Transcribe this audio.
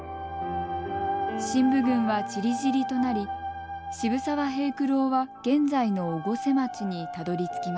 振武軍はちりぢりとなり渋沢平九郎は現在の越生町にたどりつきました。